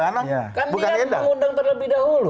kan dia mengundang terlebih dahulu